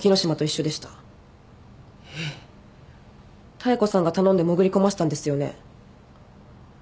妙子さんが頼んで潜り込ませたんですよね？